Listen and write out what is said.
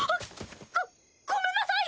ごごめんなさい！